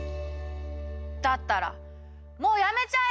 だったらもうやめちゃえ！